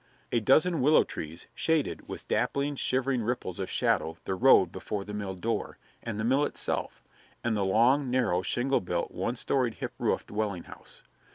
A dozen willow trees shaded with dappling, shivering ripples of shadow the road before the mill door, and the mill itself, and the long, narrow, shingle built, one storied, hip roofed dwelling house.